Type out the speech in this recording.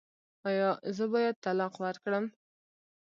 ایا زه باید طلاق ورکړم؟